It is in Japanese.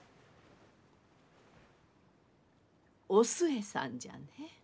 お寿恵さんじゃね。